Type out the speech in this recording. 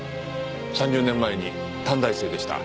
３０年前に短大生でした。